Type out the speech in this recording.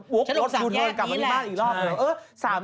บุ๊กรถพูดเทอร์ลกลับมาดิบ้านอีกรอบ